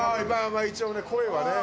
まあ一応ね声はね。